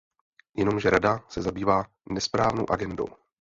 Jenomže Rada se zabývá nesprávnou agendou.